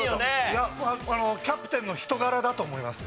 いやあのキャプテンの人柄だと思います。